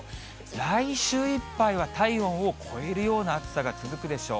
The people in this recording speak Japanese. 来週いっぱいは体温を超えるような暑さが続くでしょう。